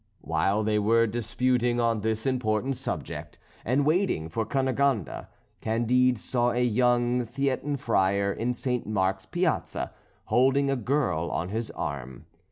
While they were disputing on this important subject and waiting for Cunegonde, Candide saw a young Theatin friar in St. Mark's Piazza, holding a girl on his arm.